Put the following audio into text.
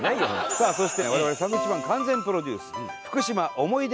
さあそして我々サンドウィッチマン完全プロデュース福島思い出